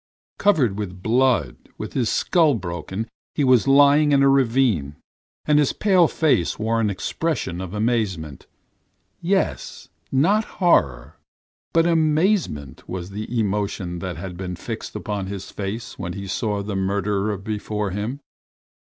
Covered with blood, with his skull broken, he was lying in a ravine, and his pale face wore an expression of amazement. Yes, not horror but amazement was the emotion that had been fixed upon his face when he saw the murderer before him.